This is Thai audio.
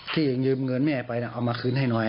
ที่ยืมเงินแม่ไปเอามาคืนให้หน่อย